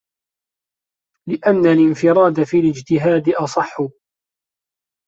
لِأَنَّ الِانْفِرَادَ فِي الِاجْتِهَادِ أَصَحُّ